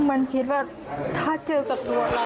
มันคิดว่าถ้าเจอกับตัวเรา